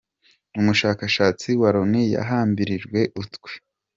Umushakashatsi wa Loni yahambirijwe utwe